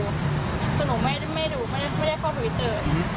คือหนูไม่ได้เข้าทวิตเตอร์